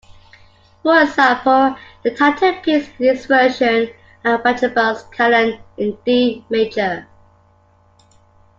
For example, the title piece is his version of Pachelbel's Canon in D Major.